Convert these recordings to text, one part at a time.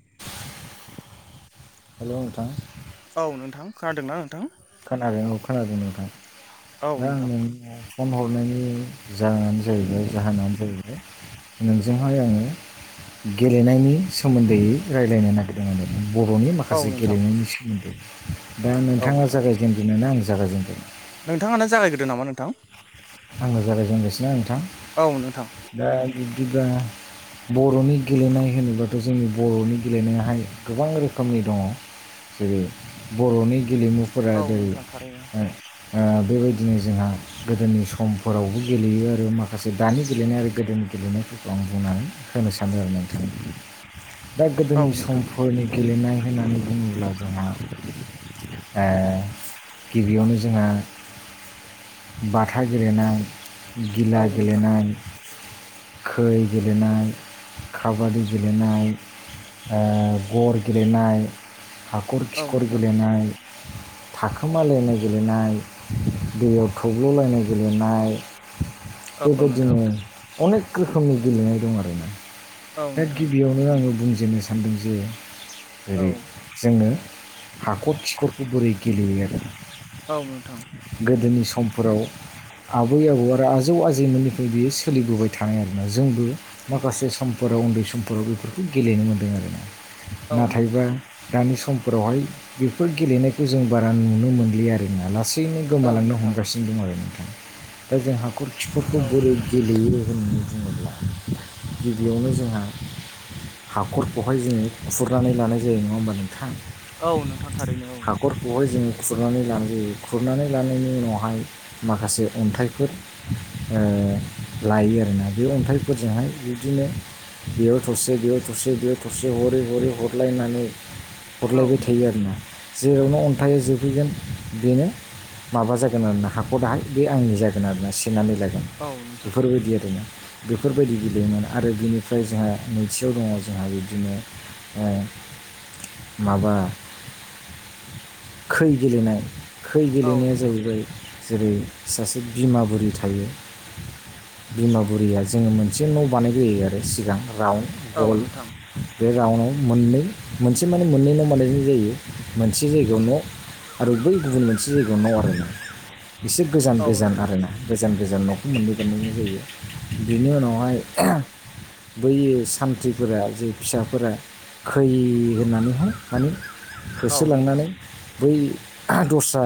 [inaudible] Hello नोंथां औ नोंथां खानादोंना नोंथां? खोनादों औ खोनादों नोंखां औ दा आं नोंथां नोंनि फन हरनायनि जाहोनानो जाहैबाय जाहोनानो जाहैबाय नोंजोंहाय आङो गेलेनायनि सोमोन्दै रायलायनो नागिरदोंमोन आरो बर'नि औ माखासे नोंथां गेलेनायनि सोमोन्दै दा औ नोंथाङा नोंथां जागायजेग्रोनो ना आं जागायजेनग्रोनो नोंथाङानो जागायग्रोदो नामा नोंथां आंनो जागायजेननोसै ना नोंथां औ नोंथां दा बिब्दिब्ला बर'नि गेलेनाय होनोबाथ' जोंनि बर'नि गेलेनायाहाय गोबां रोखोमनि दङ जेरै बर'नि गेलेमुफोरा औ जेरै नोंथां थारैनो ओ बेबायदिनो जोंहा गोदोनि सम फोरावबो गेलेयो आरो माखासे दानि गेलेनाय आरो गोदोनि गेलेनायफोरखौ आं बुंनानै होनोसै सानो आरो नोंथां दा औ गोदोनि नोंथां समफोरनि गेलेनाय होननानै बुङोब्ला जोंहा ओ गिबियावनो जोंहा बाथा गेलेनाय औ गिला नोंथां गेलेनाय खै गेलेनाय खाबादि गेलेनाय गर गेलेनाय हाखर औ खिखर नोंथां गेलेनाय थाखोमालायनाय गेलेनाय दैयाव थब्ल'लायनाय गेलेनाय औ नोंथां बेबायदिनो अनेक रोखोमनि गेलेनाय दं आरोना औ दा नोंथां गिबियावनो आङो बुंजेननो सान्दों जे औ जेरै जोङो हाखर खिखरखौ बोरै गेलेयो आरो औ नोंथां गोदोनि समफोराव आबै आबौ आरो आजौ आजैमोननिफ्राय बियो सोलिबोबाय थानाय आरोना जोंबो माखासे सम समफोराव उन्दै समफोराव बेफोरखौ गेलेनो मोनदों आरो ना औ नोंथां औ नाथायबा नोंथां दानि सम फोरावहाय बेफोर गेलेनायखौ जों बारा नुनो मोनलि आरोना लासै थारैनो गोमालांनो हमगासिनो दं आरो नोंथाङा दा जों हाखर खिखुरखौ औ बोरै नोंथां गेलेयो होननानै बुङोब्ला बेयावनो जोंहा हाखरखौहाय जोङो खुरनानै लानाय जायो नङा होमबा नोंथां औ नोंथां थारैनो औ हाखरखौहाय जोङो खुरनानै लानाय जायो खुरनानै लानायनि उनावहाय माखासे अन्थाइफोर लायो आरोना बे अन्थाइफोरजोंहाय बिदिनो बेयाव थरसे बेयाव थरसे बेयावर थरसे हरै हरै हरलायनानै हरलायबाय औ थायो नोंथां आरो ना जेरावनो अन्थाइा जोबहैगोन बेनो माबा जागोन आरोना हाखर दाहाय बे आंनि जागोन आरो ना सि नानै लागोन औ नोंथां बेफोरबायदि आरोना बेफोरबायदि गेलेयोमोन आरो आरो बिनिफ्राय जोंहा नैथियाव दङ जोंहा बिदिनो माबा खै गेलेनाय खै औ गेलेनाया नोंथां जाहैबाय जेरै सासे बिमा बुरि थायो बिमा बुरिया जोङो मोनसे न' बानायग्रोयो आरो सिगां राउन्ड औ गल नोंथां बे रउन्डआव मोननै मोनसे माने मोननैनाव बानायनाय जायो मोनसे जायगा बेयाव न' आरो बै गुबुन मोनसे जायगायाव न' आरोना एसे गोजान औ गोजान नोंथां आरोना गोजान गोजानाव मोनन्दै गनो जायो बेनि उनावहाय बै सान्थ्रिफोरा जे फिसाफोरा खै होननानैहाय माने औ नोंथां होसोलांनानै बै दस्रा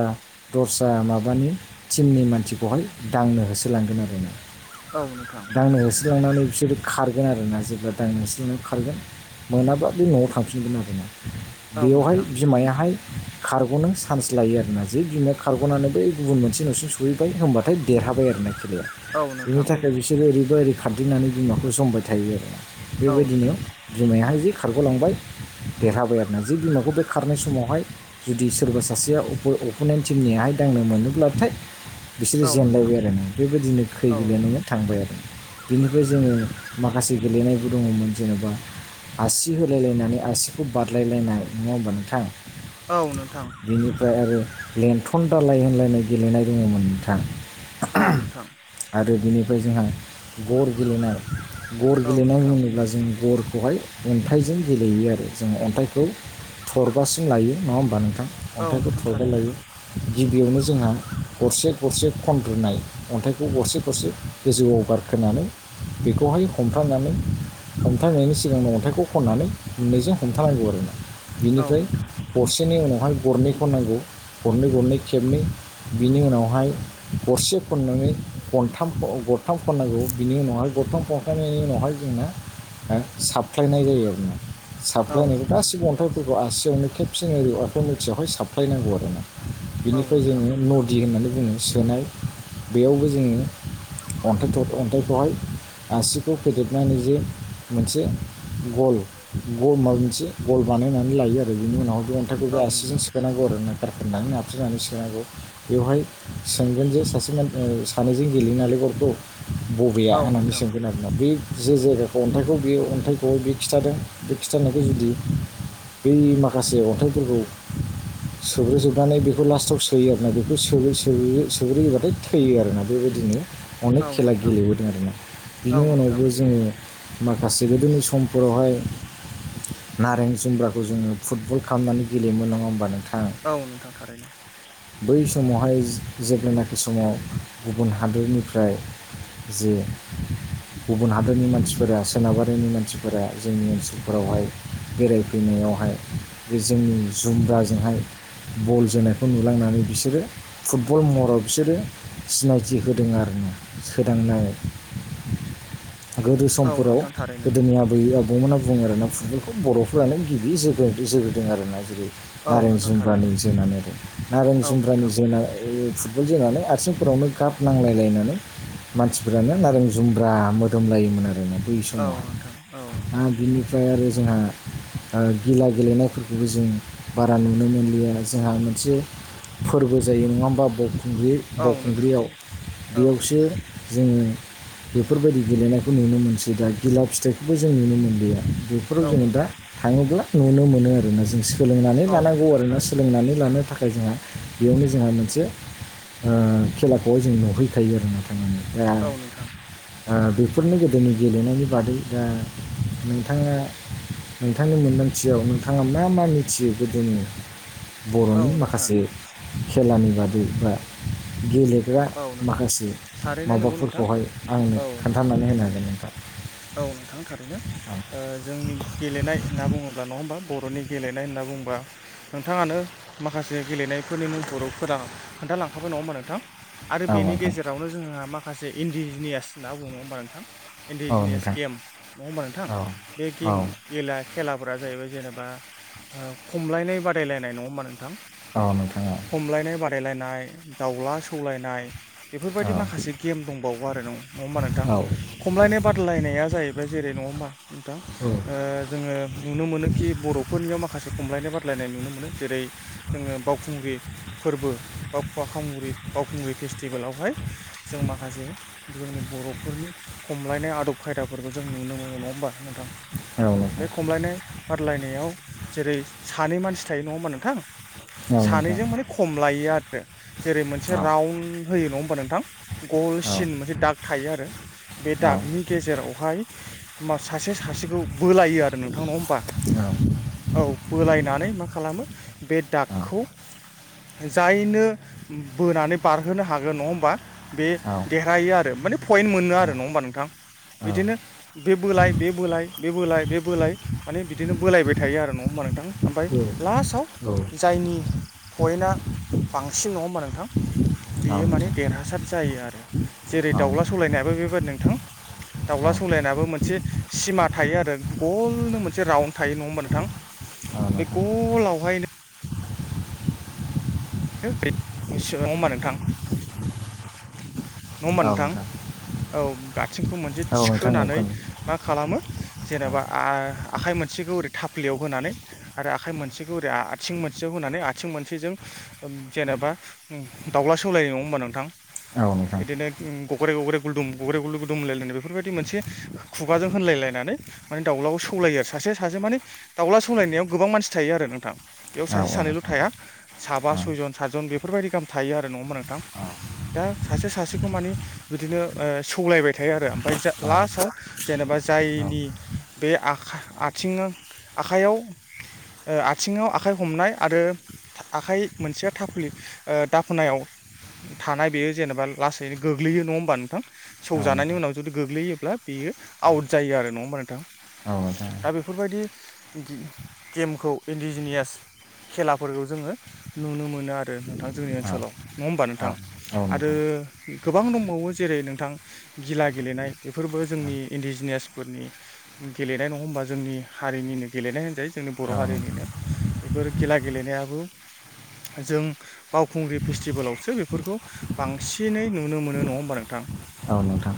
दस्रा माबानि टिमनि मानसिखौहाय दांनो होसो होसलांगोन आरो ना औ नोंथां दांनो होसलांनानै बिसोरो खारगोन आरो ना जेब्ला दाइन मोनस लाव खारगोन मोनाब्ला बे न'आव थांफिनगोन आरोना औ बेयावहाय नोंथां बिमायाहाय खारग'नो चान्स लायो आरोना जे बिमाया खारग'नानै बै गुबुन मोनसे न'सिम सहैबाय हबाथाय देरहा थाबाय आरोना खेलाया औ बिनि नोंथां थाखाय बिसोरो ओरैबा ओरै खारदैनानै बिमाखौ जबाय थायो आरो ना औ नोंथां औ बेबायदिनो जुमाय जि खारग'लांबाय देरहाबाय आरोना जि बिमाखौ बे खारनाय समावहाय जुदि सोरबा सासेया अप' नाइनटिमनिहाय दांनो मोनोब्लाथाय बिसोरो नोंथां जेनलायबाय आरो ना बेबायदिनो खै औ गोलेनायनानै थांबाय आरो बिनिफ्राय जोङो माखासे गेलेनायबो दङमोन जेनेबा आसि होलायलायनानै आसिखौ बारलायलायनाय नङा‌ होमबा नोंथां औ नोंथां बिनिफ्राय आरो लेन्थन दालाय होनलायनाय गेलेनाय दङमोन नोंथां औ नोंथां आरो बिनिफ्राय जोंहा गर गेलेनाय गर औ गेलेनाय नोंथां होनोब्ला जों ग बेहाय अन्थाइजों गेलेयो आरो जों अन्थाइखौ थरबासिम लायो नङा होमबा नों थां औ अन्थाइफोर नोंथां थरबा थारैनो लायो गिबियावनो जोंहा गरसे गरसे खनग्रोनाय अन्थाइखौ गरसे गरसे गोजौआव गारखो होनानै बेखौहाय हमफ्रामनानै हमथानायनि सिगांनो अन्थाइखौ खननानै मोननैजों हमथानांगौ आरो ना औ बिनिफ्राय नोंथां बिनि उनावहाय गरनैखौ खननांगौ गरनै गरनै खेबनै बिनि उनावहाय गरसे खननानै गथाम गरथाम खननांगौ बिनि उनावहाय गरथाम खनखांनायनि उनावहाय जोंना हो साबफ्लायनाय जायो आरो ना औ साबफ्लायनायखौ नोंथां गासिबो अन्थाइफोरखौ आसियावनो खेबसेन एरिवखौ मिथियावहाय साबफ्लायनांगौ आरो ना औ बिनिफ्राय जोङो नोंथां नदि होननानै बुङो सोनाय बेयावबो जोङो अन्थाइ अन्थाइखौहाय आसिखौ फेदेरनानै जे मोनसे गल गल माबा मोनसे गल बानायनानै लायो आरो बेनि उनाव बे अन्थायखौ बे औ आसिजों नोंथां सोनांगौ आरो ना होननानै नस्रिनानै सोंनांगौ बेवहाय सोंगोन जे सासे सानैजों गेलेनानैालाय गरग' बबेया औ होननानै नोंथां सोंगोन आरोना बे जे जायगाखौ अन्थाइखौ बे अन्थाइखौहाय बे खिन्थादों बे खिन्थानायखौ जुदि बै माखासे अन्थाइफोरखौ सोग्रोजोबनानै बेखौ लास्टआव सोयो आरोना बेखौ स्रो स्रो सोग्रोयोबाथाय थैयो आरोना बे बेबायदिनो अनेक औ खेला नोंथां गेलेबोदों आरोना औ बिनि नोंथां उनावबो जोङो माखासे गोदोनि समफोरावहाय नारें जुम्ब्राखौ जोङो फुटबल खालाम गेलेयोमोन नङा होनोमबा नोंथां औ नोंथां थारैनो बै समावहाय जेब्लानाखि समाव गुबुन हादोरनिफ्राय जे गुबुन हादरनि मानसिफोरा सोनाबारिनि मानसिफोरा जोंनि ओनसोलफोरावहाय बेरायफैनायावहाय बे जोंनि जुमब्राजोंहाय बल जोनायखौ नुलांनानै बिसोरो फुटबल मरब बिसोरो सिनायथि होदों आरो ना सोदांनाय गोदो औ समफोराव नोंथां थारैनो गोदोनि आबै आबौ बिथांबमोना बुङो आरोना फुटबलखौ बर'फोरानो गिबि जोग्रोदों आरोना जेरै औ नारें नोंथां जुम्ब्रानि थारैनो जोनानै दं नारें औ जुम्ब्रानि नोंथां जोन जोननानै आथिंफोरावनो गाब नांलायलायनानै मानसिफोरानो नारें जुमब्रा मोदोमलायोमोन आरो मा बैयै औ समावहाय नोंथां औ आरो बिनिफ्राय आरो जोंहा गिला गेलेनायफोरखौ बेबो जों बारा नुनो मोनलि आरो जोंहा मोनसे फोरबो जायो नङा होमबा खुंग्रि औ नोंथां बावखुंग्रियाव औ बेयावसो जोङो बेफोरबायदि गेलेनायखौ नुनो मोनसै दा गिला फिथाइखौबो जों नुनो मोनलिया बेफोराव औ जोङो दा नोंथां थाङोब्ला नुनो मोनो आरोना जोंसो सोलोंनानै औ लानांगौ नोंथां आरो ना थारैनो सोलोंनानै लानो थाखाय जोंहा बेयावनो जोंहा मोनसे खेलाखौहाय जों नुहैखायो आरोना थारमाने दा औ नोंथां बेफोरनो गोदोनि गेलेनायनि बादै दा नोंथाङा नोंथांनि मोन्दांथियाव नोंथाङा मा मा मिथियो गोदो औ बर'नि नोंथां माखासे खेलानि बादै बा गेले औ नोंथां माखासे थारैनो नंगौ नोंथां माबाफोरखौहाय आंनो औ नोंथां खोन्थानानै होनो थारैनो हागोन नोंथां औ नोंथां थारैनो जोंनि गेलेनाय होनना बुङोब्ला नङा होमबा बर'नि गेलेनाय होनना बुङोबा नोंथाङानो माखासे गेलेनाय नि मुंफोरखौ खोन्थालांखाबाय नङा होनबा नोंथां आरो बेनि गेजेरावनो जोंहा माखासे इन्डिजिनियास होनना बुङो नङा होनबा नोंथां औ नोंथां औ इन्डिजिनियास नोंथां गेम नङा होमबा नोंथां औ बे औ गेम गेला खेलाफोरा जाहैबाय जेनेबा खमलायनाय बादायलायनाय नङाबा नोंथां औ नोंथां औ खमलायनाय बादायलायनाय दाउला सौलायनाय बेफोरबायदि माखासे गेम दंबावो आरो न नङा होमबा नोंथां औ खमलायनाय बादलायनाया जाहैबाय जेरै नङ नोंथां औ जोङो नुनो मोनोखि बर'फोरनियाव माखासे खमलायनाय बादलायनाय नुनो मोनो जेरै जोङो बावखुंग्रि फोरबो बा फ खग्रि बावखुंग्रि फेस्टिभेलावहाय जों माखासे जोंनि बर'फोरनि खमलायनाय आदब खायदाफोरखौ जों नुनो मोनो नङा होमबा नोंथां बे खमलायनाय बादलायनायाव जेरै सानै मानसि थायो नङा होनोमा नोंथां सानैजों माने खम लायो आरो जेरै मोनसे रान्द होयो नङा होमबा नोंथां गलसिन मोनसे दाग थायो आरो बे दागनि गेजेरावहाय होमा सासे सासेखौ बोलायो आरो नोंथां नङा होनोमबा औ बोलायनानै मा खालामो बे दागखौ जायनो बोनानै बारहोनो हागोन नङा होमबा बे देरहायो आरो माने पइेन्ट मोनो आरो नङा होमबा नोंथां बिदिनो बे बोलाय बे बोलाय बे बोलाय बे बोलाय माने बिदिनो बोलायबाय थायो आरो नङा होमबा नोंथां ओमफ्राय लास्टाव औ औ जायनि पइेन्टआ बांसिन नङा होमबा नोंथां बेयो माने नोंथां देरहासार जायो आरो जेरै औ दाउला सालायनायाबो बेबादि नोंथां दाउला सौलायनाबो मोनसे सिमा थायो आरो गलनो मोनसे राउन्ड थायो नङा होमबा नोंथां बे नोंथां गलावहायनो नङा होनबा नोंथां नङा होमबा नोंथां औ गासैखौबो थिखोनानै मोनसे औ नोंथां औ थिखोनानै खोनादों मा खालामो जेनेबा आखाइ मोनसेखौ ओरै थाफलियाव होनानै आरो आखाइ मोनसेखौ ओरै आथिं मोनसेयाव होनानै आथिं मोनसेजों जेनेबा दाउला सौलायनाय नङा होनोमबा नोंथां औ नोंथां बिदिनो ग्रे गग्रे गुदुम गग्रे गु गुदुम होनायनाय बेफोरबायदि मोनसे खुगाजों होनायनानै माने दाउलााव सौनानै सलायो सासे सासे माने दाउला सौलायनायाव गोबां मानसि थायो आरो नोंथां बेयाव औ सासे औ सानैल' नोंथां थाया साबा औ सयजन सातजन बेफोरबायदि गाहाम थायो आरो नङाोन दा सासे सासेखौ मानि बिदिनो सौलायबाय थायो आरो ओमफ्राय जा औ लास्टाव जेनेबा औ जायनि बे आखाय आथिङा आखाइयाव आथिङाव आखाइ हमनाय आरो आखाइ मोनसे थाफुलि दाफोनाव थानाय बेयो जेनेबा लासैनो गोग्लैयो नङा होमबा नोंथां नोंथां औ नोंथां औ सौजानायनि नोंथां उनाव जुदि गोग्लैयो बेयो आउट जायो आरो नङा होमबा नोंथां औ नोंथां दा बेफोरबायदि गेमखौ इन्दिजिनियास खेलाफोरखौ जोङो नुनो मोनो आरो आरो नोंथां जोंनि ओनसोलाव नङा होमबा नोंथां आरो गोबां दंबावो जेरै नोंथां गिला गेलेनाय बेफोरबो जोंनि इन्डिजिनियास फोरनि गेलेनाय नङा होनोमबा जोंनि हारिनिनो गेलेनाय होनजायो जोंनि बर' हारिनिनो बेफोर गिला गेलेनायाबो जों बावखुंग्रि फेस्टिभेलावसो बेफोरखौ बांसिनै नुनो मोनो नङा होमबा नोंथां औ नोंथां औ नोंथां जागोन औ नोंथां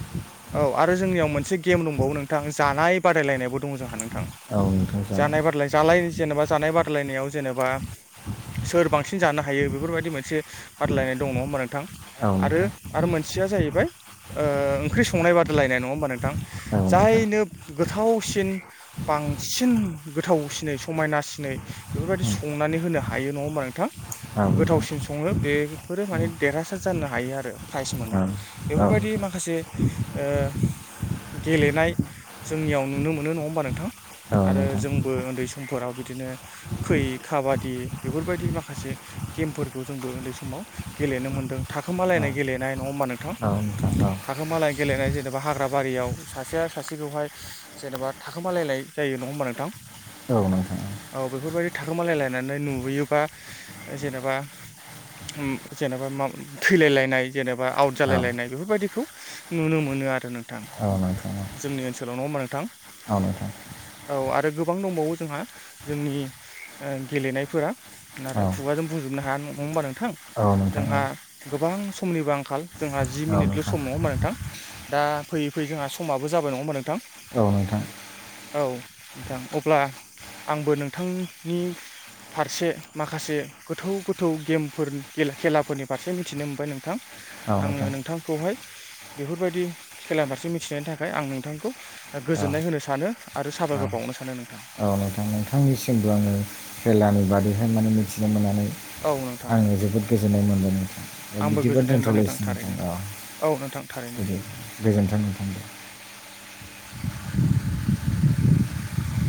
औ आरो जोंनियाव मोनसे गेम दंबावो नोंथां जानाय बादायलायनायबो दं जोंहा नोंथां औ नोंथां जानाय बाद जाल जेनेबा जानाय बादायलायनायाव जेनेबा [inaudible] सोर बांसिन जानो हायो बेफोरबायदि मोनसे बादलायनाय दं नङा होमबा नोंथां औ नोंथां औ आरो आरो मोनसेया जाहैबाय ओंख्रि संनाय बादायलायनाय नङा होमबा नोंथां औ नोंथां औ नोंथां औ नोंथां औ नोंथां जायनो गोथावसिन बां बांसिन गोथावसिनै समायनासिनै बेफोरबायदि संनानै होनो हायो नङा होमबा नोंथां गोथावसिन सङो बेफोरो माने देरहासार जानो हायो आरो प्राइज मोनो बेफोरबायदि माखासे गेलेनाय जोंनियाव नुनो मोनो नङा होमबा नोंथां आरो जोंबो उन्दै समफोराव बिदिनो खै खाबादि बेफोरबायदि माखासे गेमफोरखौ जोंबो उन्दै समाव गेलेनो मोनदों थाखोमालायनाय गेलेनाय नङा मानो थां औ नोंथां औ नोंथां औ थाखोमा लायनाय गेलेनाय जेनेबा हाग्रा बारियाव सासेया सासेखौहाय जेनेबा थाखोमालायनाय जायो नङा होमबा नोंथां औ नोंथां औ बेफोरबायदि थाखोमालाय लायनानै नुबोयोबा जेनेबा जेनेबा थैलायलायनाय जेनेबा आउट जालायलायनाय बेफोरबायदिखौ नुनो मोनो आरो नोंथां जोंनि ओनसोलाव नङा होनबा नोंथां औ आरो गोबां दंबावो जोंहा जोंनि गेलेनायफोरा नाथाय खुगाजों बुंजोबनो हाया नङा होनोबा नोंथां औ नोंथां जोंहा औ गोबां समनिबो आंखाल जोंहा जि मिनिटल' सम नङा होनोमबा नोंथां दा फैयै फैयै जोंहा समाबो जाबाय नङा होनबा नोंथां औ नोंथां औ नोंथां अब्ला आंबो नोंथांनि फारसे माखासे गोथौ गोथौ गेमफोरनि खेलाफोरनि फारसे मिथिनो मोनबाय नोंथां आङो नोंथांखौहाय बेफोरबायदि खेला फारसे मिथिनायनि थाखाय आं नोंथांखौ औ गोजोन्नाय नोंथां होनो सानो आरो साबाय औ खर औ बावनो सानो नोंथां औ नोंथां नोंथांनिसिमबो आङो खेलानि बादैहाय माने मिथिनो मोननानै औ नोंथां आङो जोबोद गोजोननाय मोनदों नोंथां दा आंबो बिदिबो गोजोननाय मोनबाय नोंथां दोनथ'लायसिनो नोथां थारैनो औ नोंथां थारैनो बिदि गोजोन्थों नोंथां